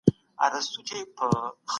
سرمایه داري د کینې سبب ګرځي.